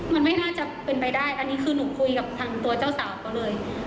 มันไม่น่าจะเป็นไปได้อันนี้คือหนูคุยกับทางตัวเจ้าสาวเขาเลย